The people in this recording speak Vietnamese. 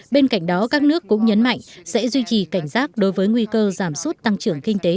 bên cạnh đó các nước cũng nhấn mạnh sẽ duy trì cảnh giác đối với nguy cơ giảm sút tăng trưởng kinh tế